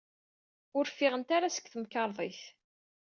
Ur ffiɣent ara seg temkarḍit.